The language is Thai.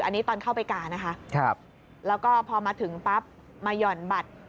อันนี้ตอนเข้าไปการนะคะแล้วก็พอมาถึงปั๊บมาหย่อนบัตร